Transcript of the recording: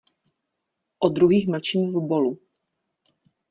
O druhých mlčím v bolu.